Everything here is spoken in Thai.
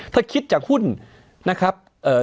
ถ้าคิดจากหุ้นนะครับ